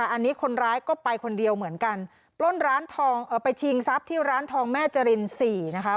อันนี้คนร้ายก็ไปคนเดียวเหมือนกันปล้นร้านทองไปชิงทรัพย์ที่ร้านทองแม่จรินสี่นะคะ